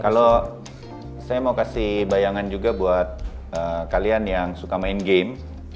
kalau saya mau kasih bayangan juga buat kalian yang suka main game